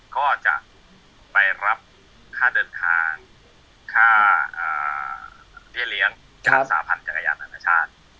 ก็จะไปรับค่าเดินทางค่าเบี้ยเลี้ยงสาพันธ์จักรยานธรรมชาติ